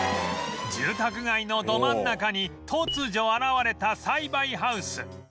住宅街のど真ん中に突如現れた栽培ハウス